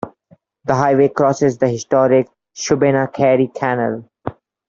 The highway crosses the Historic Shubenacadie Canal.